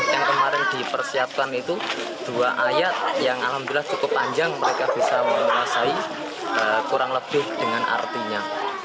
yang kemarin dipersiapkan itu dua ayat yang alhamdulillah cukup panjang mereka bisa menguasai kurang lebih dengan artinya